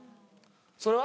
それは？